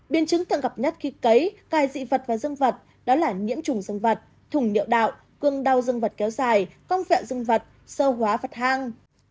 biên chứng thường gặp nhất khi cấy cài dị vật và dương vật đó là nhiễm trùng dương vật thùng niệu đạo cương đau dương vật kéo dài cong vẹo dương vật sâu hóa vật hang